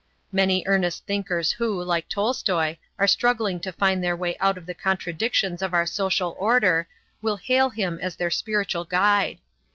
Many earnest thinkers who, like Tolstoi, are struggling to find their way out of the contradictions of our social order will hail him as their spiritual guide.